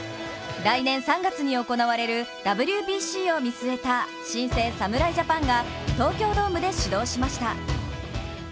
来年３月に行われるＷＢＣを見据えた新生・侍ジャパンが東京ドームで始動しました。